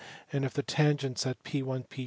and if the tangents at P lt P^